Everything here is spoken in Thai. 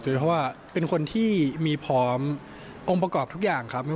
เพราะว่าเป็นคนที่มีพร้อมองค์ประกอบทุกอย่างครับ